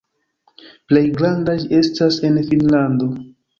Plej granda ĝi estas en Finnlando.